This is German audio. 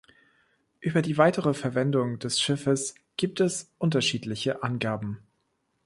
Über die weitere Verwendung des Schiffes gibt es unterschiedliche Angaben.